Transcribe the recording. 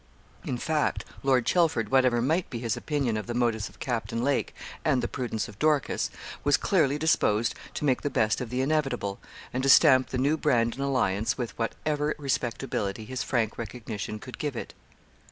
In fact, Lord Chelford, whatever might be his opinion of the motives of Captain Lake and the prudence of Dorcas, was clearly disposed to make the best of the inevitable, and to stamp the new Brandon alliance with what ever respectability his frank recognition could give it.